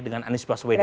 dengan anies baswedan